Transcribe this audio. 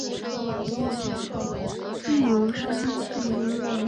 自由山是一个位于美国阿拉巴马州埃托瓦县的非建制地区。